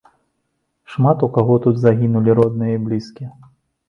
Шмат у каго тут загінулі родныя і блізкія.